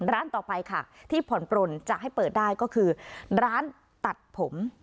ร้านต่อไปค่ะที่ผ่อนปลนจะให้เปิดได้ก็คือร้านตัดผม